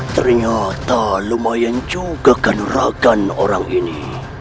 ternyata lumayan juga kan rakan orang ini